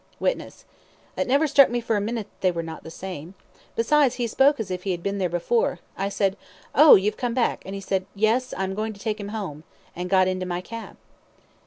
WITNESS: It never struck me for a minute that they were not the same. Besides, he spoke as if he had been there before. I said, "Oh, you've come back," and he said, "Yes; I'm going to take him home," and got into my cab.